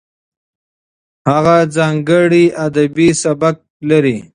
هغه ځانګړی ادبي سبک لري.